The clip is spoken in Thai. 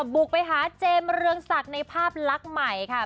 บุกไปหาเจมส์เรืองศักดิ์ในภาพลักษณ์ใหม่ค่ะ